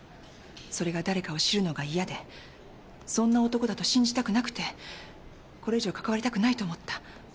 それが誰かを知るのが嫌でそんな男だと信じたくなくてこれ以上かかわりたくないと思った。